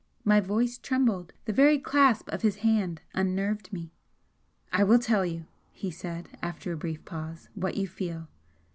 My voice trembled the very clasp of his hand unnerved me. "I will tell you," he said, after a brief pause, "what you feel.